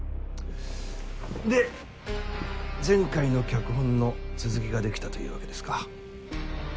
で前回の脚本の続きができたというわけですか。